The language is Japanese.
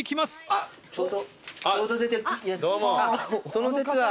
その節は。